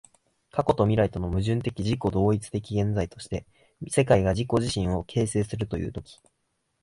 過去と未来との矛盾的自己同一的現在として、世界が自己自身を形成するという時